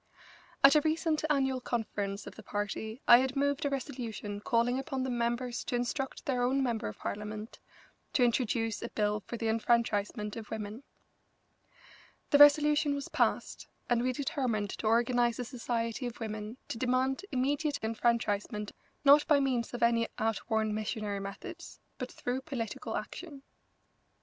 At a recent annual conference of the party I had moved a resolution calling upon the members to instruct their own member of Parliament to introduce a bill for the enfranchisement of women. The resolution was passed, and we determined to organise a society of women to demand immediate enfranchisement, not by means of any outworn missionary methods, but through political action.